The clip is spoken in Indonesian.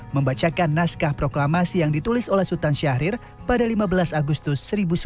membacakan naskah proklamasi yang ditulis oleh sultan syahrir pada lima belas agustus seribu sembilan ratus empat puluh lima